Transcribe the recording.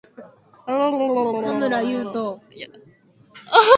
Condor Pacific was a manufacturer of sensors and guidance systems for the aerospace industry.